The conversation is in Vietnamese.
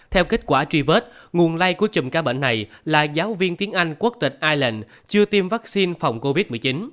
theo kết quả truy vết nguồn lây của chùm ca bệnh này là giáo viên tiếng anh quốc tịch ireland chưa tiêm vaccine phòng covid một mươi chín